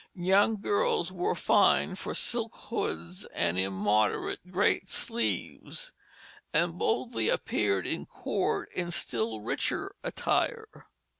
Young girls were fined for silk hoods and immoderate great sleeves, and boldly appeared in court in still richer attire.